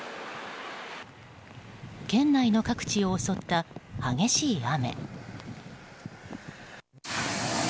県内の各地を襲った激しい雨。